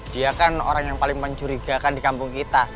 dia kan orang yang paling mencurigakan di kampung kita